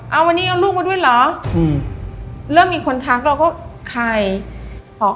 เอามานี้เอารูปมันด้วยเหรออืมเริ่มมีคนทักเราก็ใคร